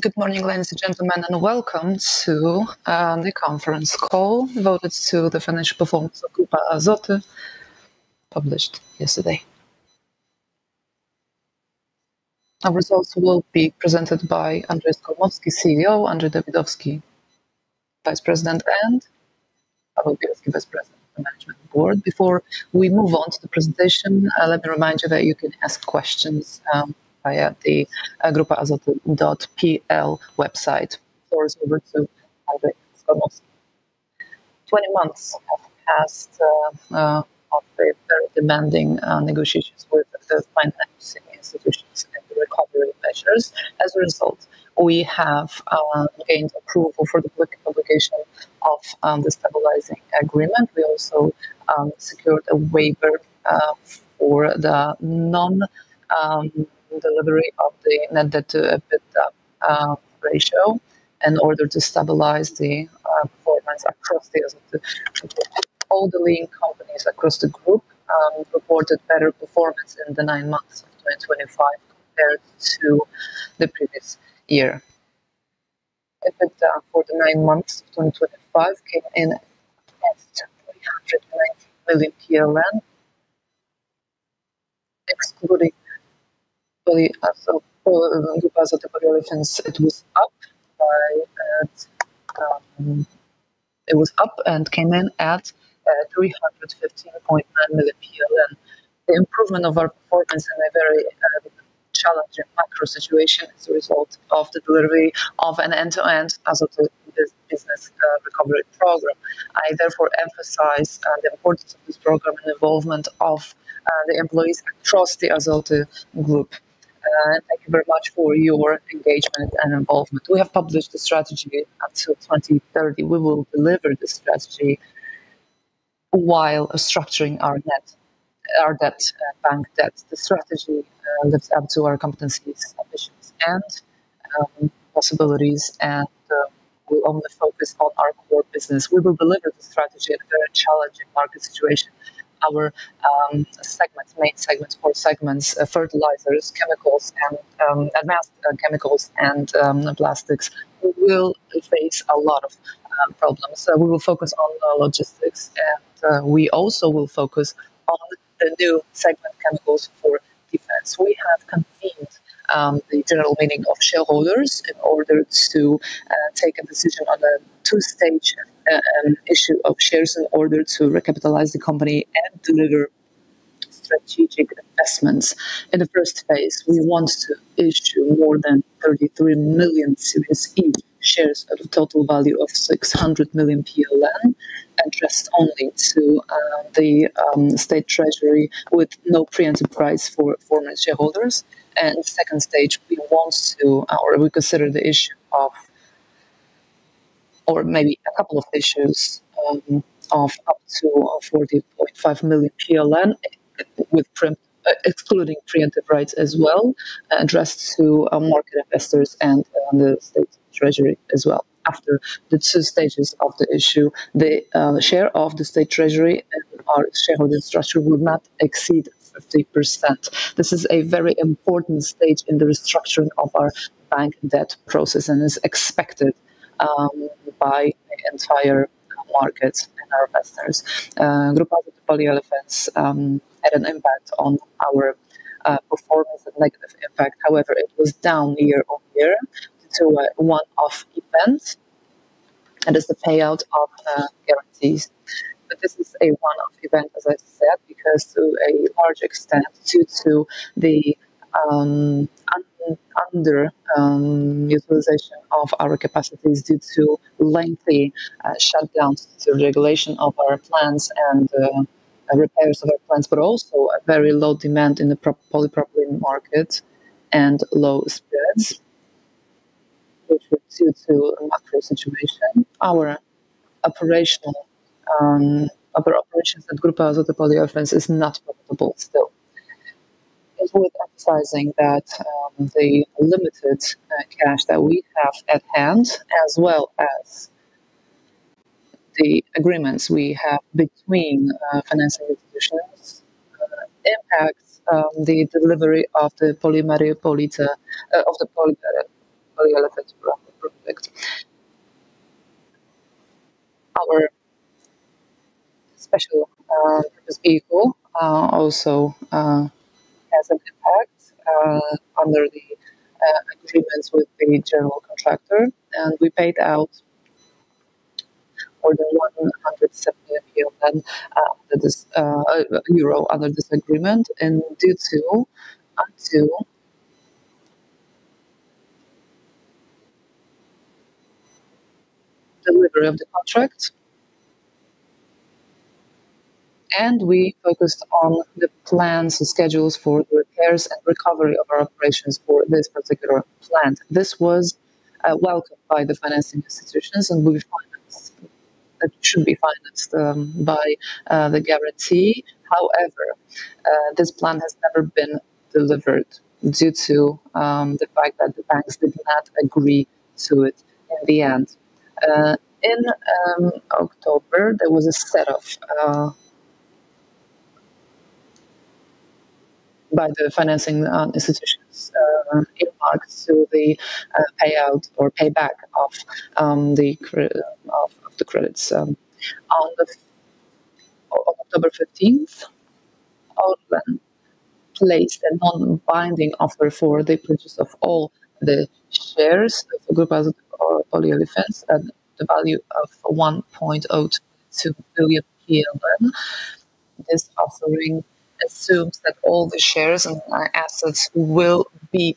Good morning, ladies and gentlemen, and welcome to the Conference Call devoted to the Financial Performance of Grupa Azoty, published yesterday. Our results will be presented by Andrzej Skolmowski, CEO; Andrzej Dawidowski, Vice President; and Paweł Pilecki, Vice President of the Management Board. Before we move on to the presentation, let me remind you that you can ask questions via the grupaazoty.pl website. The floor is over to Andrzej Skolmowski. Twenty months have passed after very demanding negotiations with the finance institutions and the recovery measures. As a result, we have gained approval for the publication of the stabilizing agreement. We also secured a waiver for the non-delivery of the net debt to EBITDA ratio in order to stabilize the performance across the Azoty shareholders. All the leading companies across the group reported better performance in the nine months of 2025 compared to the previous year. EBITDA for the nine months of 2025 came in at PLN 319 million. Excluding the Grupa Azoty variations, it was up by—it was up and came in at 315.9 million. The improvement of our performance in a very challenging macro situation is the result of the delivery of an end-to-end Azoty business recovery program. I, therefore, emphasize the importance of this program and involvement of the employees across the Azoty group. Thank you very much for your engagement and involvement. We have published the strategy up to 2030. We will deliver the strategy while structuring our net bank debt. The strategy lives up to our competencies, ambitions, and possibilities, and will only focus on our core business. We will deliver the strategy in a very challenging market situation. Our segments, main segments, four segments: fertilizers, chemicals, and advanced chemicals and plastics, will face a lot of problems. We will focus on logistics, and we also will focus on the new segment chemicals for defense. We have convened the general meeting of shareholders in order to take a decision on a two-stage issue of shares in order to recapitalize the company and deliver strategic investments. In the first phase, we want to issue more than 33 million series E-shares at a total value of 600 million PLN, addressed only to the state treasury, with no pre-enterprise for former shareholders. In the second stage, we want to—or we consider the issue of, or maybe a couple of issues, of up to 40.5 million PLN, excluding pre-enterprise as well, addressed to market investors and the state treasury as well. After the two stages of the issue, the share of the state treasury in our shareholder structure will not exceed 50%. This is a very important stage in the restructuring of our bank debt process and is expected by the entire market and our investors. Grupa Azoty Polyamid-6 had an impact on our performance and negative impact. However, it was down year on year to one-off events, and it's the payout of guarantees. This is a one-off event, as I said, because to a large extent, due to the under-utilization of our capacities, due to lengthy shutdowns, to the regulation of our plants and repairs of our plants, but also very low demand in the polypropylene market and low spreads, which were due to the macro situation. Our operations at Grupa Azoty Polyamid-6 is not profitable still. It's worth emphasizing that the limited cash that we have at hand, as well as the agreements we have between finance institutions, impact the delivery of the Polymer Polyethylene Product. Our special purpose vehicle also has an impact under the agreements with the general contractor, and we paid out more than PLN 170 million under this agreement due to delivery of the contract. We focused on the plans and schedules for the repairs and recovery of our operations for this particular plant. This was welcomed by the finance institutions, and we should be financed by the guarantee. However, this plan has never been delivered due to the fact that the banks did not agree to it in the end. In October, there was a set-off by the financing institutions in regards to the payout or payback of the credits. On October 15, Orlen placed a non-binding offer for the purchase of all the shares of Grupa Azoty Polyamid-6 at the value of PLN 1.02 billion. This offering assumes that all the shares and assets will be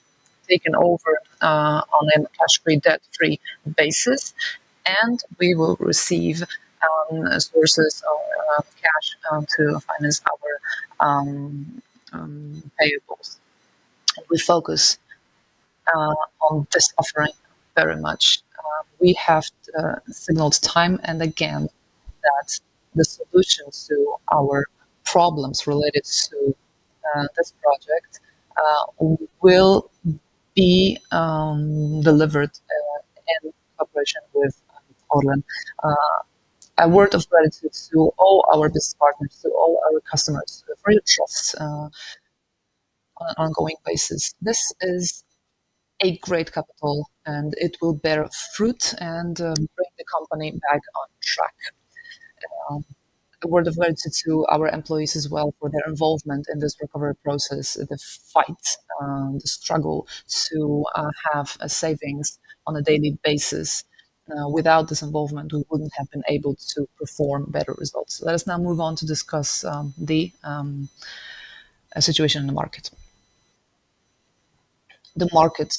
taken over on a cash-free, debt-free basis, and we will receive sources of cash to finance our payables. We focus on this offering very much. We have signaled time and again that the solutions to our problems related to this project will be delivered in cooperation with Audubon. A word of gratitude to all our business partners, to all our customers, for your trust on an ongoing basis. This is a great capital, and it will bear fruit and bring the company back on track. A word of gratitude to our employees as well for their involvement in this recovery process, the fight, the struggle to have savings on a daily basis. Without this involvement, we would not have been able to perform better results. Let us now move on to discuss the situation in the market. The Market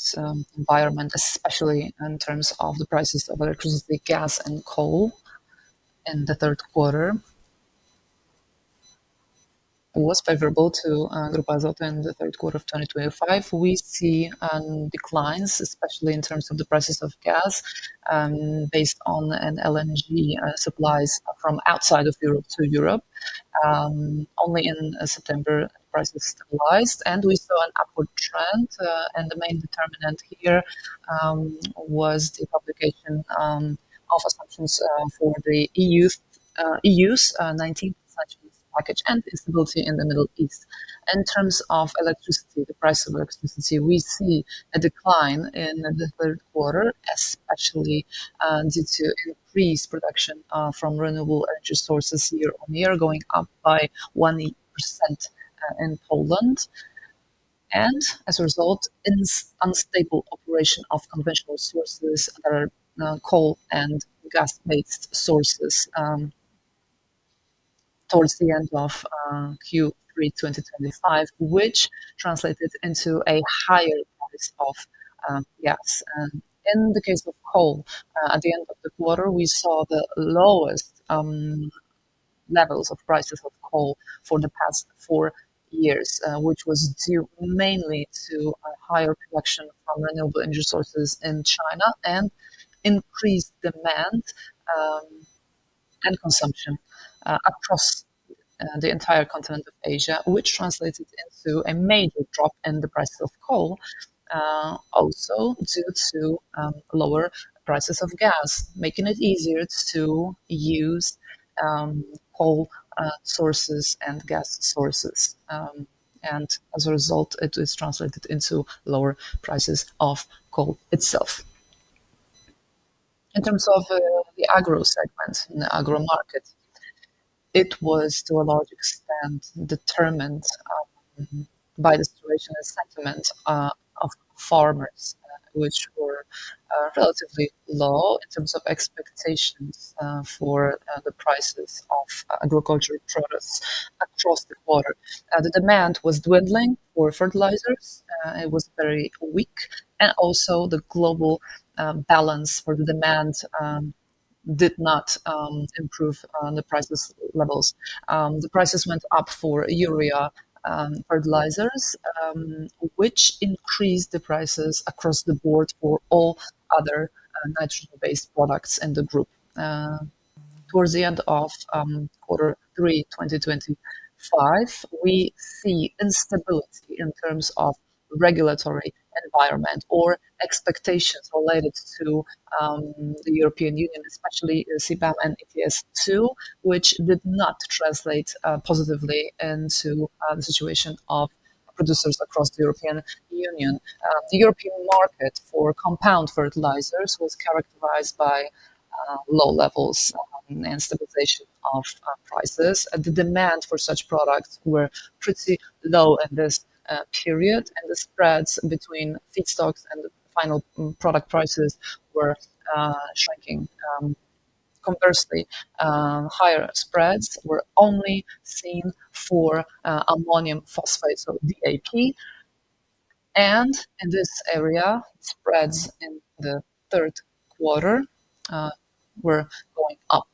Environment, especially in terms of the prices of electricity, gas, and coal in the third quarter, was favorable to Grupa Azoty in the Q3 of 2025. We see declines, especially in terms of the prices of gas, based on LNG supplies from outside of Europe to Europe. Only in September, prices stabilized, and we saw an upward trend. The main determinant here was the publication of assumptions for the EU's 19th sanctions package and instability in the Middle East. In terms of electricity, the price of electricity, we see a decline in the Q3, especially due to increased production from renewable energy sources year on year, going up by 1% in Poland. As a result, unstable operation of conventional sources that are coal and gas-based sources towards the end of Q3 2025, which translated into a higher price of gas. In the case of coal, at the end of the quarter, we saw the lowest levels of prices of coal for the past 4 years, which was due mainly to a higher production from renewable energy sources in China and increased demand and consumption across the entire continent of Asia, which translated into a major drop in the price of coal, also due to lower prices of gas, making it easier to use coal sources and gas sources. As a result, it was translated into lower prices of coal itself. In terms of the agro segment in the agro market, it was to a large extent determined by the situation and sentiment of farmers, which were relatively low in terms of expectations for the prices of agricultural products across the quarter. The demand was dwindling for fertilizers. It was very weak. Also, the global balance for the demand did not improve on the prices levels. The prices went up for Urea Fertilizers, which increased the prices across the board for all other Nitrogen-based products in the group. Towards the end of quarter three 2025, we see instability in terms of regulatory environment or expectations related to the European Union, especially CBAM and ETS2, which did not translate positively into the situation of producers across the European Union. The European Market for compound fertilizers was characterized by low levels and stabilization of prices. The demand for such products was pretty low in this period, and the spreads between feedstocks and final product prices were shrinking. Conversely, higher spreads were only seen for Ammonium Phosphate, so DAP. In this area, spreads in the third quarter were going up.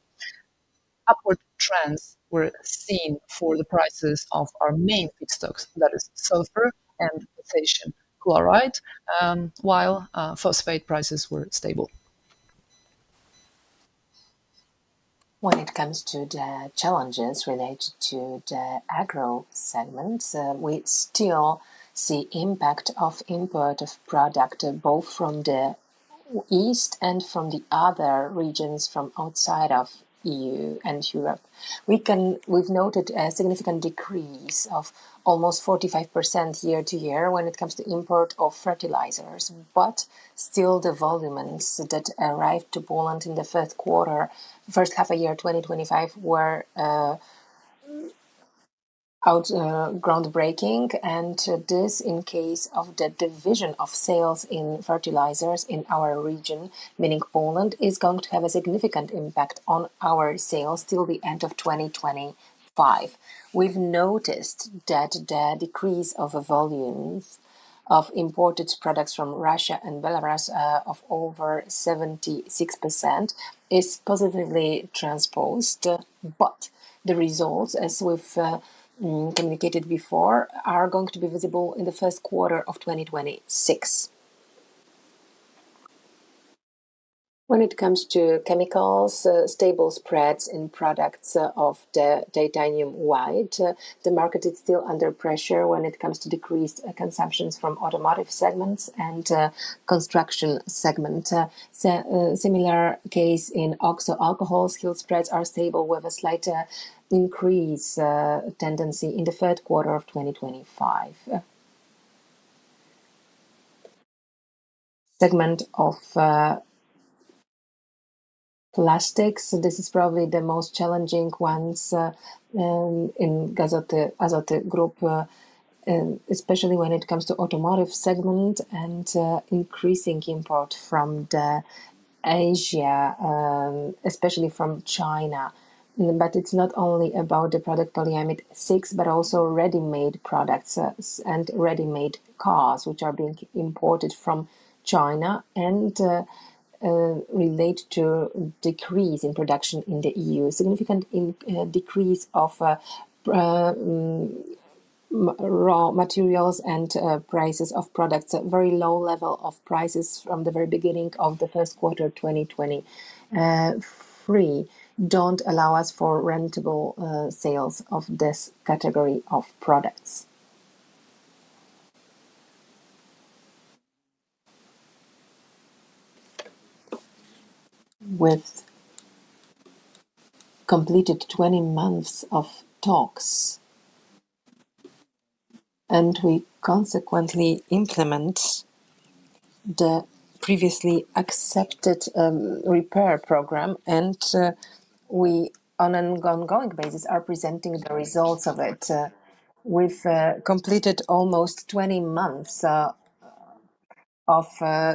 Upward trends were seen for the prices of our main feedstocks, that is Sulfur and Potassium Chloride, while Phosphate prices were stable. When it comes to the challenges related to the agro segment, we still see the impact of import of product both from the east and from the other regions from outside of EU and Europe. We've noted a significant decrease of almost 45% year to year when it comes to import of fertilizers. Still, the volumes that arrived to Poland in the first quarter, 1st half of year 2025, were groundbreaking. This, in case of the division of sales in fertilizers in our region, meaning Poland, is going to have a significant impact on our sales till the end of 2025. We've noticed that the decrease of volumes of imported products from Russia and Belarus of over 76% is positively transposed. The results, as we've communicated before, are going to be visible in the Q1 2026. When it comes to chemicals, stable spreads in products of the Titanium White. The market is still under pressure when it comes to decreased consumptions from automotive segments and construction segment. Similar case in Oxo Alcohols. Fuel spreads are stable with a slight increase tendency in the third quarter of 2025. Segment of plastics. This is probably the most challenging ones in the Azoty group, especially when it comes to the automotive segment and increasing import from Asia, especially from China. It is not only about the product Polyamid-6, but also ready-made products and ready-made cars, which are being imported from China and relate to decrease in production in the EU. Significant decrease of raw materials and prices of products. Very low level of prices from the very beginning of the Q1 2023 do not allow us for rentable sales of this category of products. With completed 20 months of talks, and we consequently implement the previously accepted repair program, and we on an ongoing basis are presenting the results of it. We have completed almost 20 months of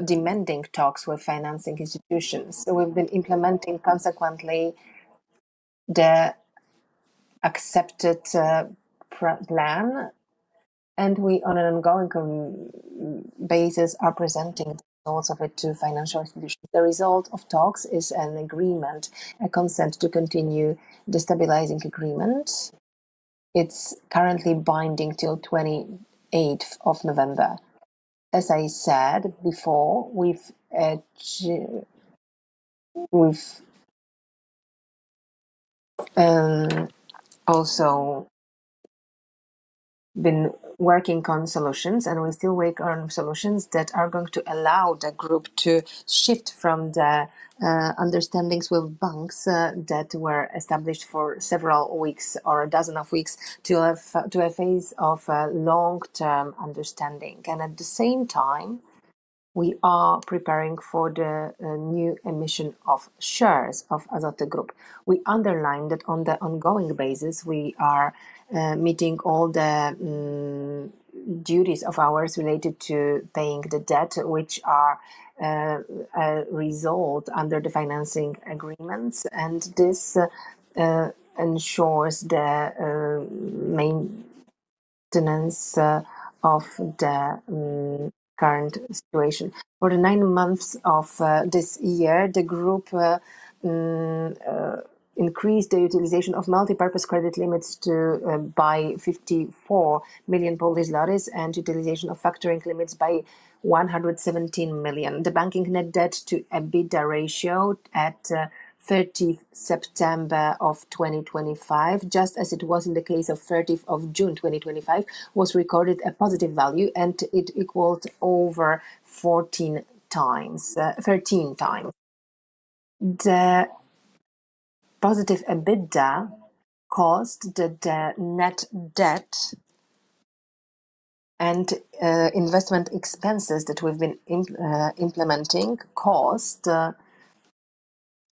demanding talks with financing institutions. We have been implementing consequently the accepted plan, and we on an ongoing basis are presenting the results of it to financial institutions. The result of talks is an agreement, a consent to continue the stabilizing agreement. It is currently binding till 28th of November. As I said before, we've also been working on solutions, and we still work on solutions that are going to allow the group to shift from the understandings with banks that were established for several weeks or a dozen weeks to a phase of long-term understanding. At the same time, we are preparing for the new emission of shares of Grupa Azoty. We underlined that on an ongoing basis, we are meeting all the duties of ours related to paying the debt, which are resolved under the financing agreements. This ensures the maintenance of the current situation. For the 9 months of this year, the group increased the utilization of multi-purpose credit limits by 54 million and utilization of factoring limits by 117 million. The Banking Net Debt to EBITDA ratio at 30 September 2025, just as it was in the case of 30 June 2025, was recorded a positive value, and it equaled over 14 times. The positive EBITDA caused that the net debt and investment expenses that we've been implementing caused that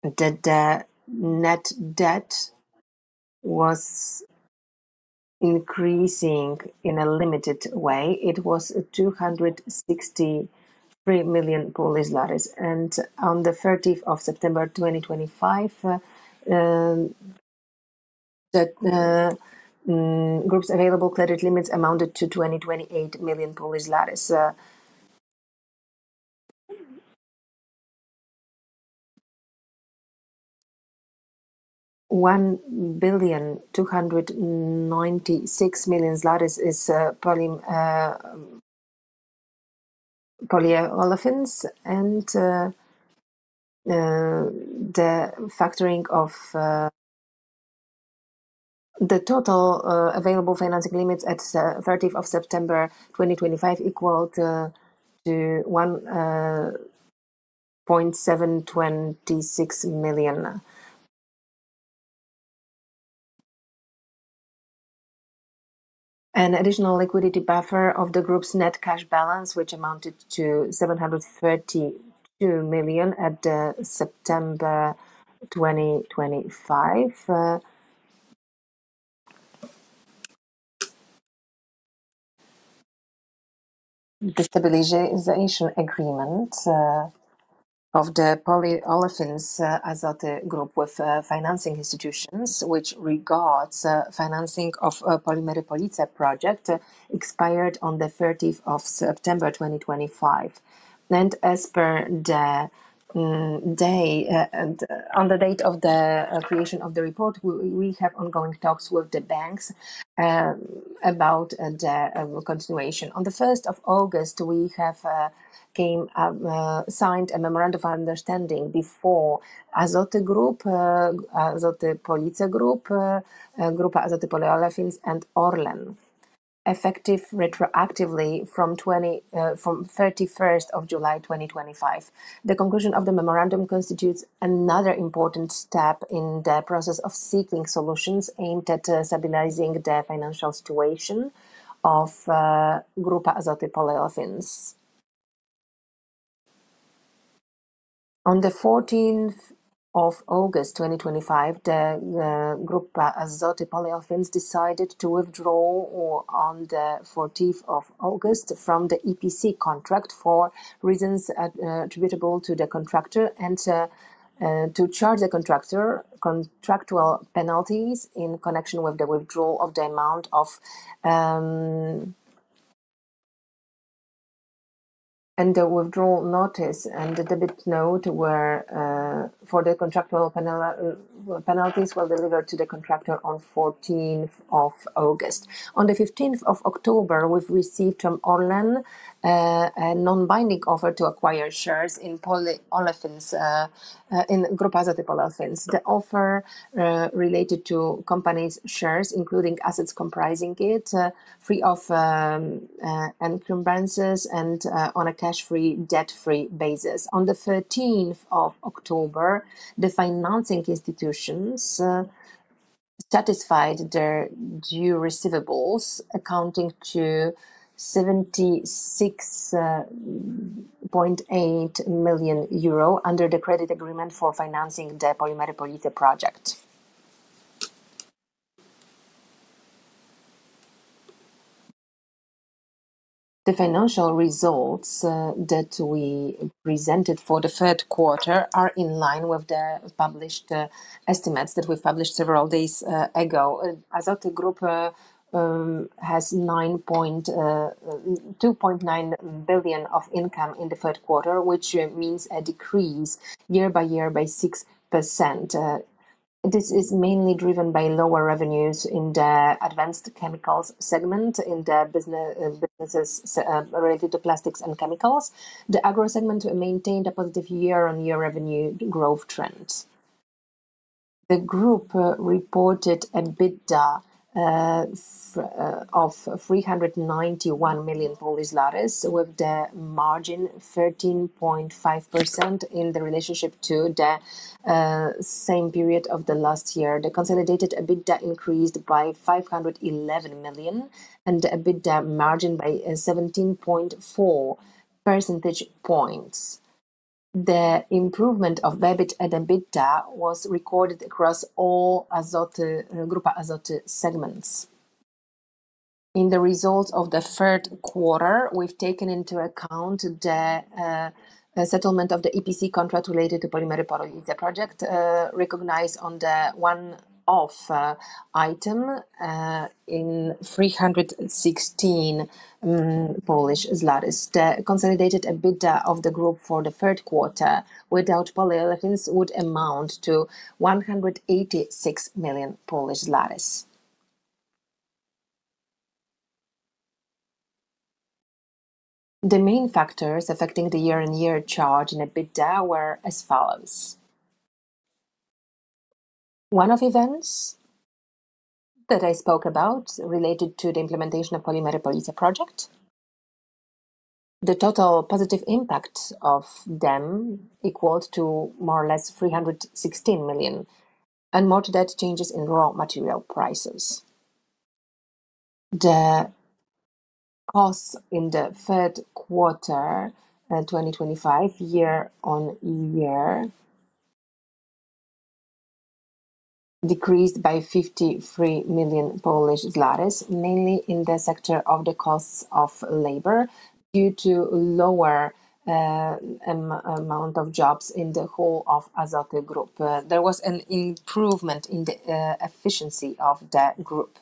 the net debt was increasing in a limited way. It was 263 million. On the 30th of September 2025, the group's available credit limits amounted to 228 million. 1,296 million is Polyamid-6. The factoring of the total available financing limits at 30th September 2025 equaled PLN 1.726 million. An additional liquidity buffer of the group's net cash balance, which amounted to 732 million at September 2025. The stabilization agreement of the Polyamid-6 Azoty Group with financing institutions, which regards financing of the Polyamid-6 project, expired on 30th September 2025. As per the date of the creation of the report, we have ongoing talks with the banks about the continuation. On the 1st of August, we have signed a memorandum of understanding between Grupa Azoty, Grupa Azoty Polyamid-6, and Orlen, effective retroactively from 31st July 2025. The conclusion of the memorandum constitutes another important step in the process of seeking solutions aimed at stabilizing the financial situation of Grupa Azoty Polyamid-6. On 14th August 2025, Grupa Azoty Polyamid-6 decided to withdraw on 14th August from the EPC contract for reasons attributable to the contractor and to charge the contractor contractual penalties in connection with the withdrawal of the amount of. The withdrawal notice and the debit note for the contractual penalties were delivered to the contractor on 14th August. On the 15th October, we've received from Orlen a non-binding offer to acquire shares in Grupa Azoty Polyamid-6. The offer related to company's shares, including assets comprising it, free of encumbrances and on a cash-free, debt-free basis. On the 13th October, the financing institutions satisfied their due receivables accounting to 76.8 million euro under the credit agreement for financing the Polyamid-6 project. The financial results that we presented for the third quarter are in line with the published estimates that we published several days ago. Grupa Azoty has 2.9 billion of income in the Q3, which means a decrease year by year by 6%. This is mainly driven by lower revenues in the advanced chemicals segment in the businesses related to plastics and chemicals. The agro segment maintained a positive year-on-year revenue growth trend. The group reported EBITDA of PLN 391 million with a margin of 13.5% in the relationship to the same period of the last year. The consolidated EBITDA increased by 511 million and the EBITDA margin by 17.4 percentage points. The improvement of debit and EBITDA was recorded across all Grupa Azoty segments. In the results of the third quarter, we've taken into account the settlement of the EPC contract related to the Polyamid-6 project, recognized on the one-off item in 316 million. The consolidated EBITDA of the group for the third quarter without Polyamid-6 would amount to 186 million. The main factors affecting the year-on-year charge in EBITDA were as follows. One of the events that I spoke about related to the implementation of Polyamid-6 project, the total positive impact of them equaled to more or less 316 million and more to that changes in raw material prices. The costs in the third quarter 2025 year-on-year decreased by 53 million, mainly in the sector of the costs of labor due to lower amount of jobs in the whole of Grupa Azoty. There was an improvement in the efficiency of the groups.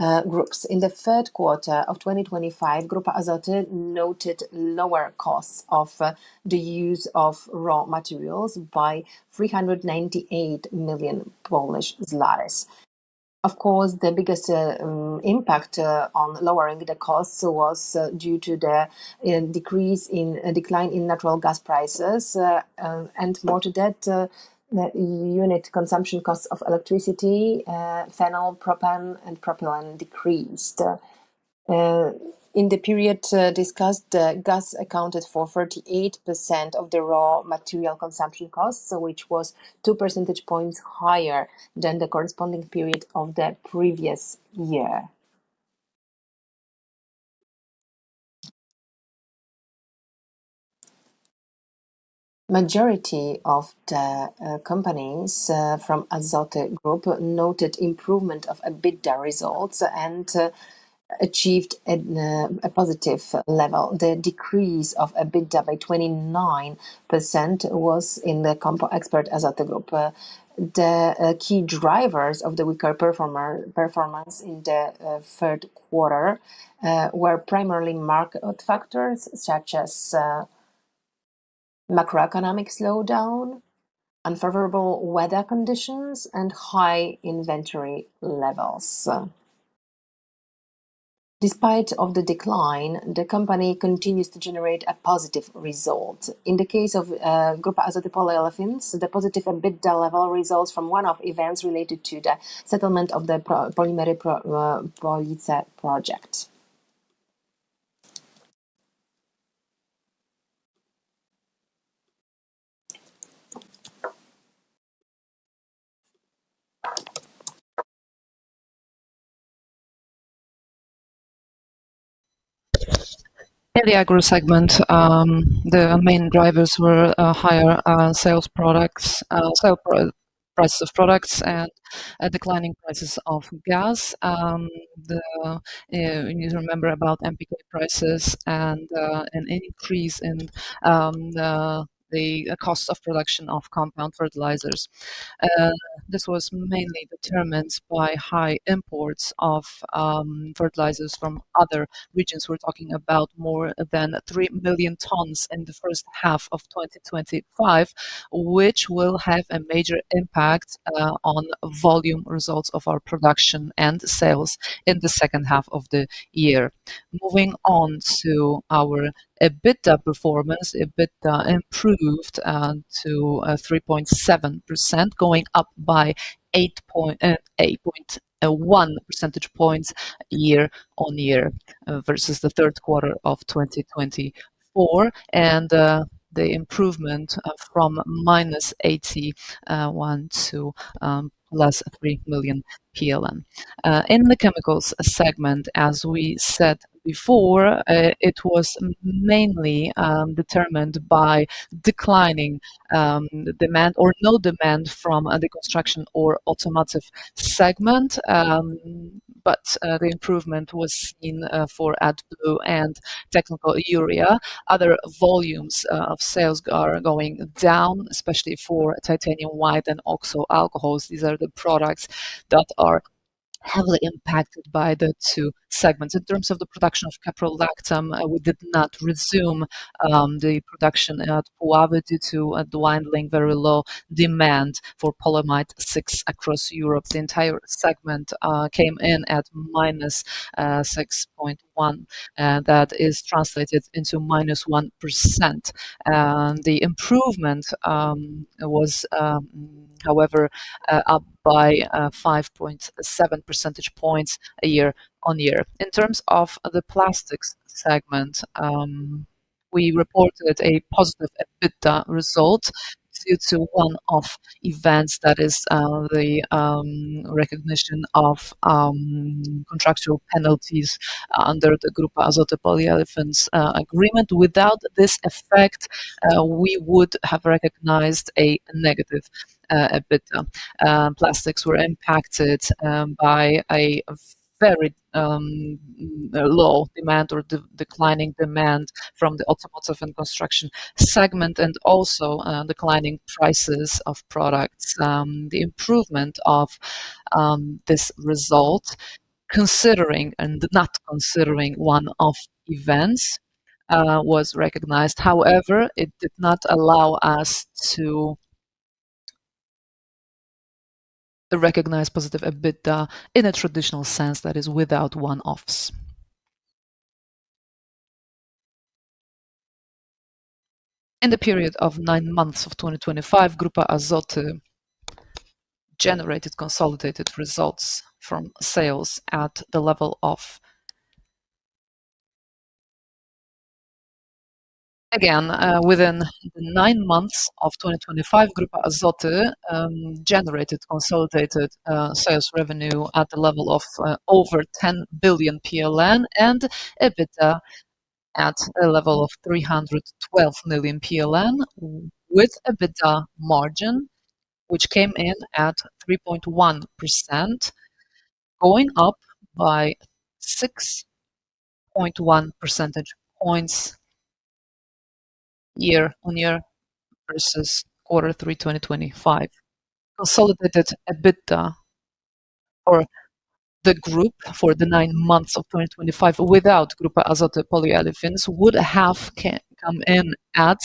In the Q3 of 2025, Grupa Azoty noted lower costs of the use of raw materials by 398 million. Of course, the biggest impact on lowering the costs was due to the decline in natural gas prices and more to that, unit consumption costs of electricity, phenol, propane, and propylene decreased. In the period discussed, gas accounted for 38% of the raw material consumption costs, which was 2 percentage points higher than the corresponding period of the previous year. The majority of the companies from Grupa Azoty noted improvement of EBITDA results and achieved a positive level. The decrease of EBITDA by 29% was in the Compo Expert Azoty Grupa. The key drivers of the weaker performance in the third quarter were primarily market factors such as macroeconomic slowdown, unfavorable weather conditions, and high inventory levels. Despite the decline, the company continues to generate a positive result. In the case of Grupa Azoty Polyamid-6, the positive EBITDA level results from one-off events related to the settlement of the Polyamid-6 project. In the agro segment, the main drivers were higher sales prices of products and declining prices of gas. You remember about MPK prices and an increase in the cost of production of compound fertilizers. This was mainly determined by high imports of fertilizers from other regions. We're talking about more than 3 million tons in the first half of 2025, which will have a major impact on volume results of our production and sales in the second half of the year. Moving on to our EBITDA performance, EBITDA improved to 3.7%, going up by 8.1 percentage points year-on-year versus the Q3 of 2024, and the improvement from minus 81 to plus 3 million PLN. In the chemicals segment, as we said before, it was mainly determined by declining demand or no demand from the construction or automotive segment, but the improvement was seen for AdBlue and Technical Urea. Other volumes of sales are going down, especially for Titanium White and Oxo Alcohols. These are the products that are heavily impacted by the two segments. In terms of the production of Caprolactam, we did not resume the production at Puławy due to dwindling very low demand for Polyamid-6 across Europe. The entire segment came in at minus 6.1. That is translated into minus 1%. The improvement was, however, up by 5.7 percentage points year-on-year. In terms of the plastics segment, we reported a positive EBITDA result due to one-off events that is the recognition of contractual penalties under the Grupa Azoty Polyamid-6 agreement. Without this effect, we would have recognized a negative EBITDA. Plastics were impacted by a very low demand or declining demand from the automotive and construction segment and also declining prices of products. The improvement of this result, considering and not considering one-off events, was recognized. However, it did not allow us to recognize positive EBITDA in a traditional sense, that is, without one-offs. In the period of nine months of 2025, Grupa Azoty generated consolidated results from sales at the level of. Again, within nine months of 2025, Grupa Azoty generated consolidated sales revenue at the level of over 10 billion PLN and EBITDA at the level of 312 million PLN with EBITDA margin, which came in at 3.1%, going up by 6.1 percentage points year-on-year versus quarter 3, 2025. Consolidated EBITDA for the group for the nine months of 2025 without Grupa Azoty Polyamid-6 would have come in at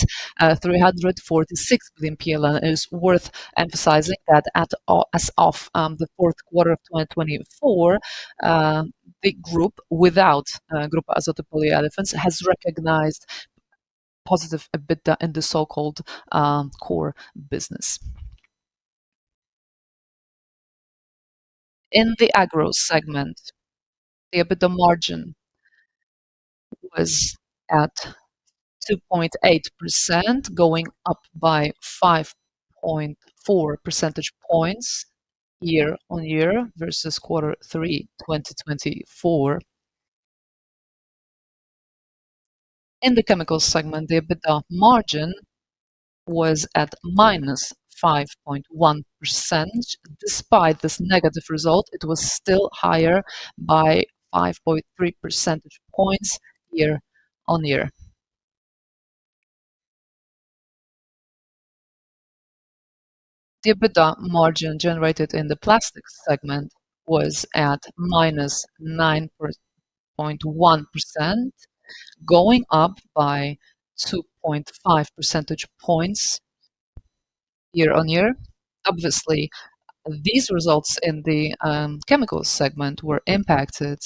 346 million PLN. It is worth emphasizing that as of the fourth quarter of 2024, the group without Grupa Azoty Polyamid-6 has recognized positive EBITDA in the so-called core business. In the agro segment, the EBITDA margin was at 2.8%, going up by 5.4 percentage points year-on-year versus quarter 3, 2024. In the chemicals segment, the EBITDA margin was at minus 5.1%. Despite this negative result, it was still higher by 5.3 percentage points year-on-year. The EBITDA margin generated in the plastics segment was at minus 9.1%, going up by 2.5 percentage points year-on-year. Obviously, these results in the chemicals segment were impacted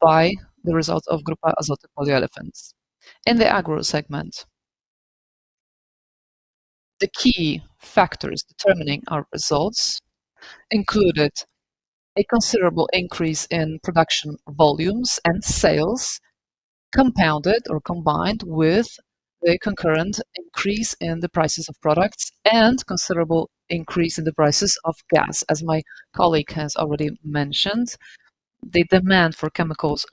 by the result of Grupa Azoty Polyamid-6. In the agro segment, the key factors determining our results included a considerable increase in production volumes and sales, compounded or combined with the concurrent increase in the prices of products and considerable increase in the prices of gas. As my colleague has already mentioned, the demand for chemicals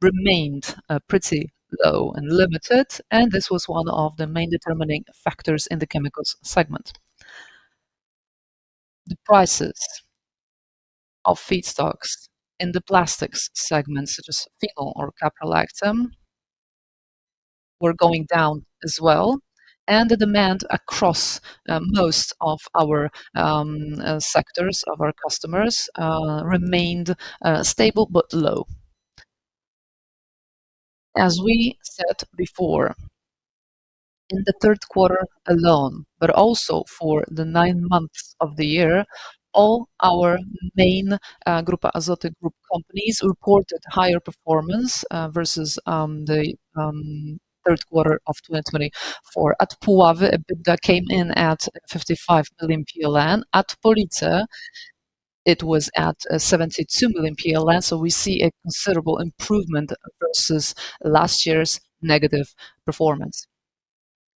remained pretty low and limited, and this was one of the main determining factors in the chemicals segment. The prices of feedstocks in the plastics segment, such as phenol or caprolactam, were going down as well, and the demand across most of our sectors of our customers remained stable but low. As we said before, in the third quarter alone, but also for the nine months of the year, all our main Grupa Azoty Group companies reported higher performance versus the Q3 of 2024. At Grupa Azoty Puławy, EBITDA came in at 55 million PLN. At Polyamid-6, it was at 72 million PLN, so we see a considerable improvement versus last year's negative performance.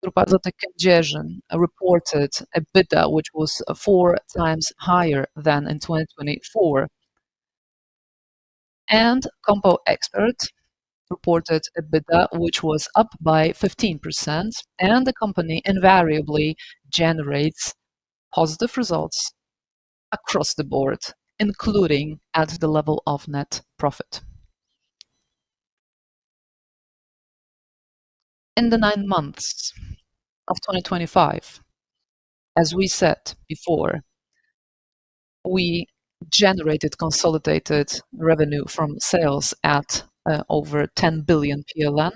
Grupa Azoty Kędzierzyn reported EBITDA, which was four times higher than in 2024, and Compo Expert reported EBITDA, which was up by 15%, and the company invariably generates positive results across the board, including at the level of net profit. In the 9 months of 2025, as we said before, we generated consolidated revenue from sales at over 10 billion PLN,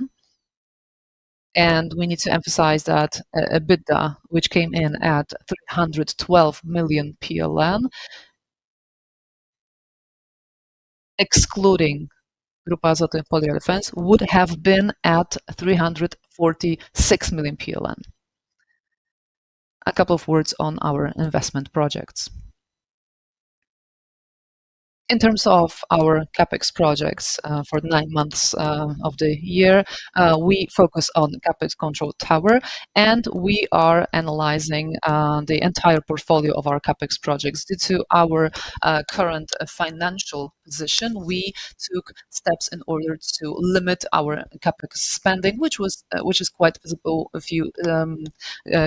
and we need to emphasize that EBITDA, which came in at 312 million PLN, excluding Grupa Azoty Polyamid-6, would have been at 346 million PLN. A couple of words on our investment projects. In terms of our CAPEX projects for the 9 months of the year, we focus on CAPEX Control Tower, and we are analyzing the entire portfolio of our CAPEX projects. Due to our current financial position, we took steps in order to limit our CAPEX spending, which is quite visible if you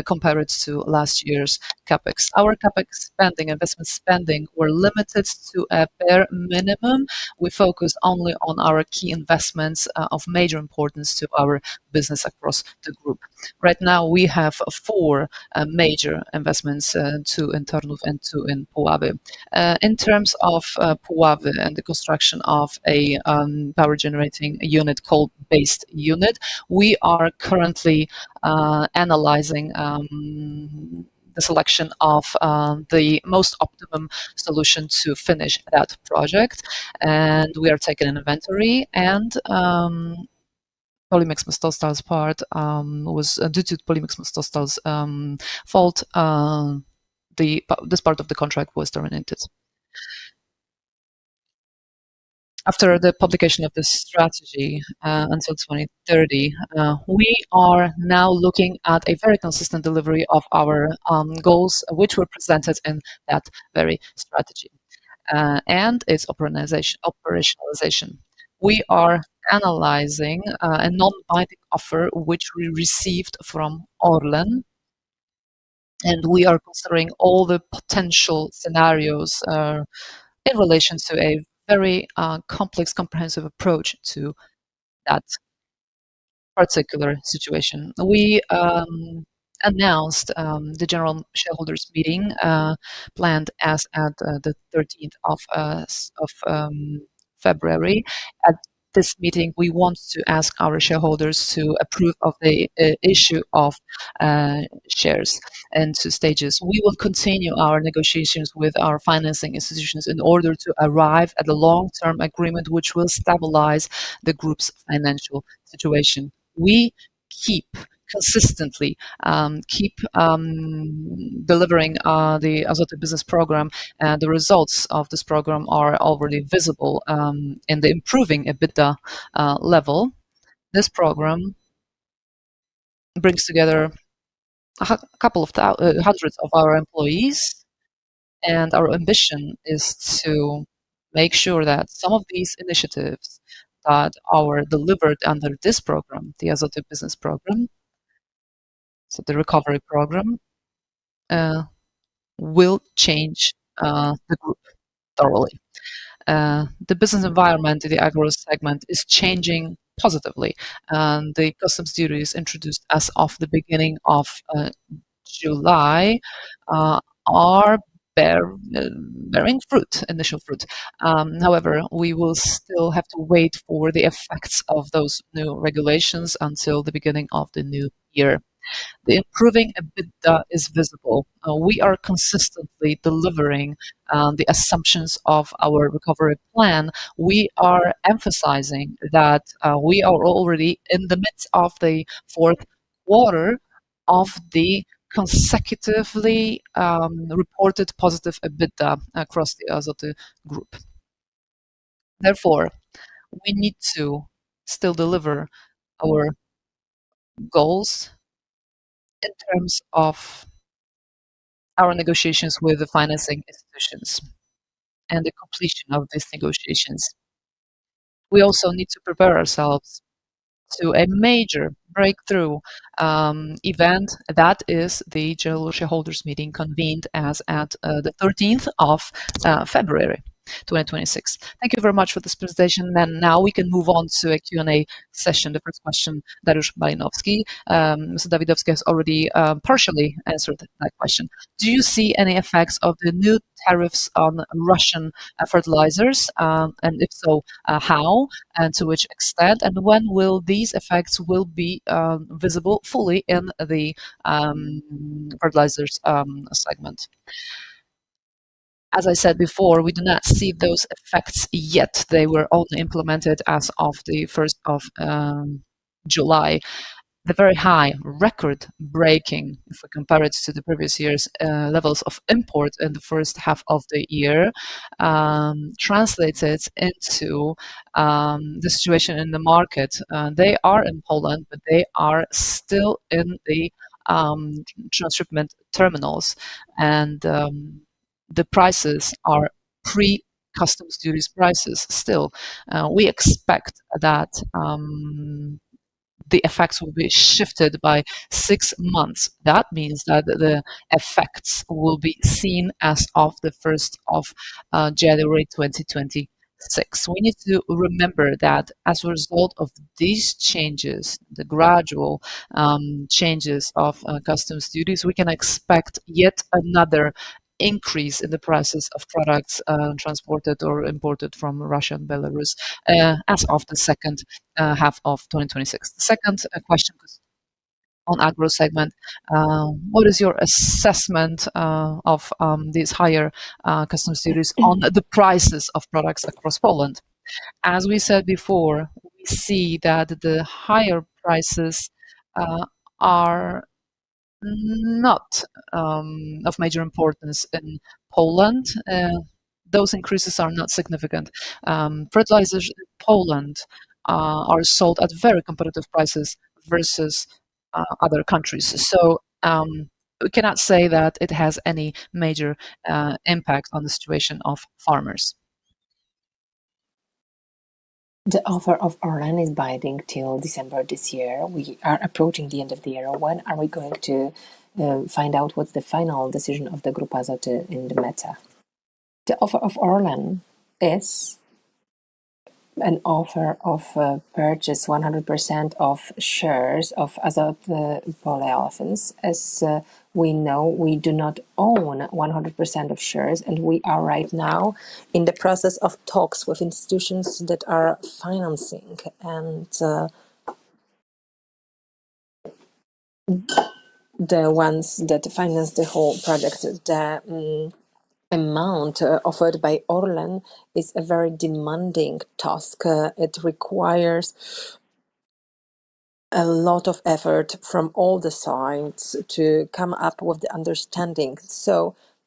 compare it to last year's CAPEX. Our CAPEX spending, investment spending, were limited to a bare minimum. We focused only on our key investments of major importance to our business across the group. Right now, we have 4 major investments: two in Tarnów and two in Puławy. In terms of Puławy and the construction of a power-generating unit called BASED Unit, we are currently analyzing the selection of the most optimum solution to finish that project, and we are taking inventory, and Polyamid-6 part was due to Polyamid-6 fault. This part of the contract was terminated. After the publication of the strategy until 2030, we are now looking at a very consistent delivery of our goals, which were presented in that very strategy, and its operationalization. We are analyzing a non-binding offer which we received from Orlen, and we are considering all the potential scenarios in relation to a very complex, comprehensive approach to that particular situation. We announced the general shareholders' meeting planned as at the 13th of February. At this meeting, we want to ask our shareholders to approve of the issue of shares into stages. We will continue our negotiations with our financing institutions in order to arrive at a long-term agreement which will stabilize the group's financial situation. We consistently keep delivering the Azoty business program, and the results of this program are already visible in the improving EBITDA level. This program brings together a couple of hundreds of our employees, and our ambition is to make sure that some of these initiatives that are delivered under this program, the Azoty business program, so the recovery program, will change the group thoroughly. The business environment in the agro segment is changing positively, and the customs duties introduced as of the beginning of July are bearing fruit, initial fruit. However, we will still have to wait for the effects of those new regulations until the beginning of the new year. The improving EBITDA is visible. We are consistently delivering the assumptions of our recovery plan. We are emphasizing that we are already in the midst of the Q4 of the consecutively reported positive EBITDA across the Azoty group. Therefore, we need to still deliver our goals in terms of our negotiations with the financing institutions and the completion of these negotiations. We also need to prepare ourselves to a major breakthrough event. That is the general shareholders' meeting convened as at the 13th of February 2026. Thank you very much for this presentation, and now we can move on to a Q&A session. The first question, Dariusz Malinowski. Mr. Dawidowski has already partially answered that question. Do you see any effects of the new tariffs on Russian fertilizers, and if so, how, and to which extent, and when will these effects be visible fully in the fertilizers segment? As I said before, we do not see those effects yet. They were only implemented as of the 1st of July. The very high record-breaking, if we compare it to the previous year's levels of import in the first half of the year, translated into the situation in the market. They are in Poland, but they are still in the shipment terminals, and the prices are pre-customs duties prices still. We expect that the effects will be shifted by six months. That means that the effects will be seen as of the 1st of January 2026. We need to remember that as a result of these changes, the gradual changes of customs duties, we can expect yet another increase in the prices of products transported or imported from Russia and Belarus as of the second half of 2026. Second question on agro segment. What is your assessment of these higher customs duties on the prices of products across Poland? As we said before, we see that the higher prices are not of major importance in Poland. Those increases are not significant. Fertilizers in Poland are sold at very competitive prices versus other countries, so we cannot say that it has any major impact on the situation of farmers. The offer of Orlen is binding till December this year. We are approaching the end of the year. When are we going to find out what's the final decision of Grupa Azoty in the meta? The offer of Orlen is an offer of purchase 100% of shares of Azoty Polyolefins. As we know, we do not own 100% of shares, and we are right now in the process of talks with institutions that are financing and the ones that finance the whole project. The amount offered by Orlen is a very demanding task. It requires a lot of effort from all the sides to come up with the understanding.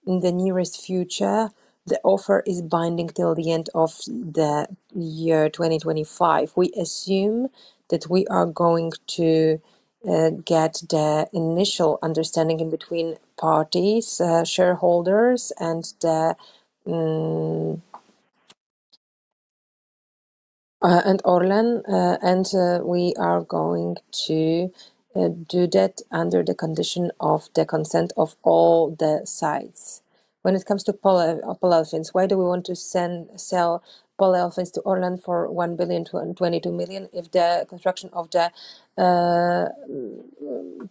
In the nearest future, the offer is binding till the end of the year 2025. We assume that we are going to get the initial understanding in between parties, shareholders, and Orlen, and we are going to do that under the condition of the consent of all the sides. When it comes to Polyamid-6, why do we want to sell Polyamid-6 to Orlen for 1 billion-22 million if the construction of the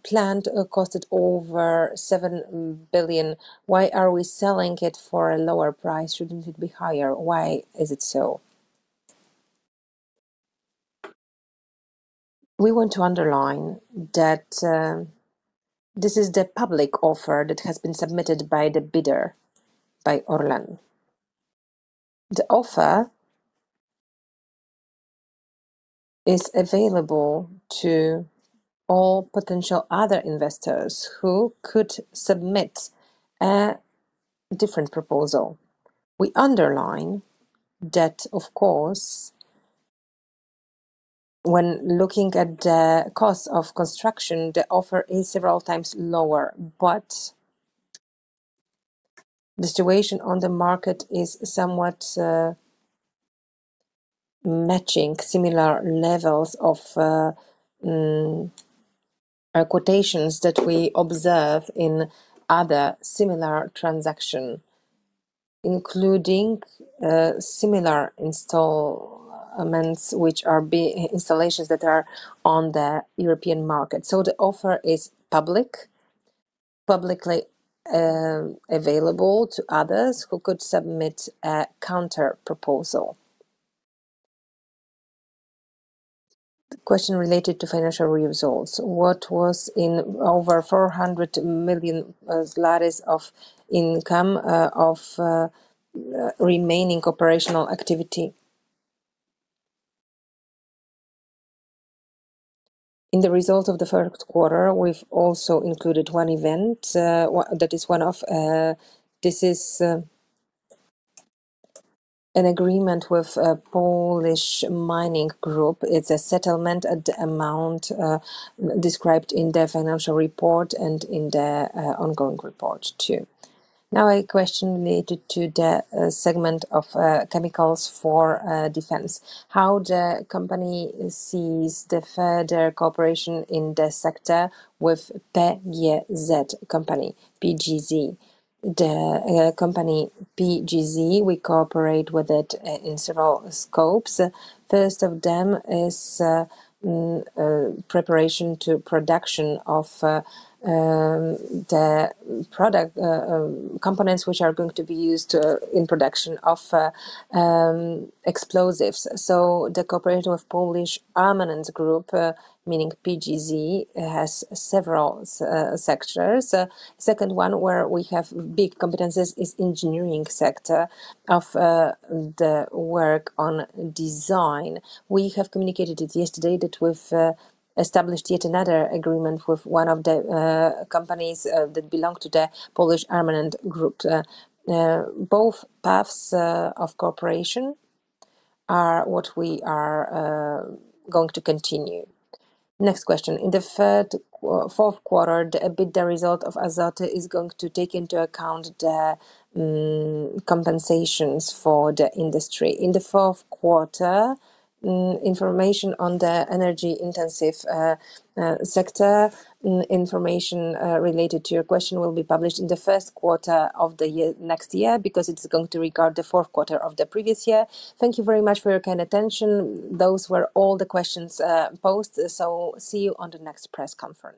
plant cost over 7 billion? Why are we selling it for a lower price? Shouldn't it be higher? Why is it so? We want to underline that this is the public offer that has been submitted by the bidder, by Orlen. The offer is available to all potential other investors who could submit a different proposal. We underline that, of course, when looking at the cost of construction, the offer is several times lower, but the situation on the market is somewhat matching similar levels of quotations that we observe in other similar transactions, including similar installations, which are installations that are on the European Market. The offer is public, publicly available to others who could submit a counter proposal. The question related to financial results. What was in over 400 million of income of remaining operational activity? In the result of the first quarter, we've also included one event that is one of this is an agreement with a Polish mining group. It's a settlement at the amount described in the financial report and in the ongoing report too. Now, a question related to the segment of chemicals for defense. How the company sees the further cooperation in the sector with PGZ Company, PGZ. The company PGZ, we cooperate with it in several scopes. First of them is preparation to production of the product components which are going to be used in production of explosives. The cooperation with Polish Armaments Group, meaning PGZ, has several sectors. The second one where we have big competencies is the engineering sector of the work on design. We have communicated it yesterday that we've established yet another agreement with one of the companies that belong to the Polska Grupa Zbrojeniowa. Both paths of cooperation are what we are going to continue. Next question. In the Q4, the result of Grupa Azoty is going to take into account the compensations for the industry. In the Q4, information on the energy-intensive sector, information related to your question will be published in the first quarter of the next year because it's going to regard the Q4 of the previous year. Thank you very much for your kind attention. Those were all the questions posed, so see you on the next press conference.